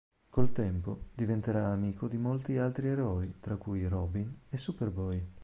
Col tempo, diventerà amico di molti altri eroi tra cui Robin e Superboy.